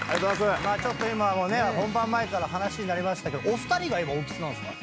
ちょっと今も本番前から話になりましたけどお二人が今お幾つなんですか？